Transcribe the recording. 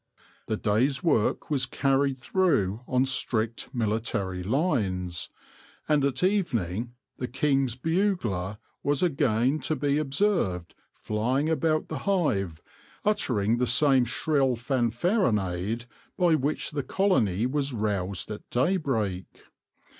The day's work was carried through on strict military lines, and at evening the king's bugler was again to be observed flying about the hive, utter ing the same shrill fanfaronade by which the colony was roused at daybreak.